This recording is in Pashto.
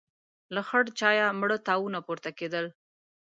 له خړ چايه مړه تاوونه پورته کېدل.